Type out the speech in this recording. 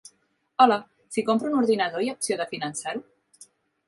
Hola, si compro un ordenador hi ha opció de finançar-ho?